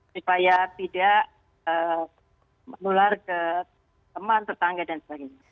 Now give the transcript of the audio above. supaya tidak menular ke teman tetangga dan sebagainya